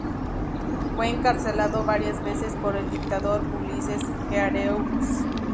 Fue encarcelado varias veces por el dictador Ulises Heureaux.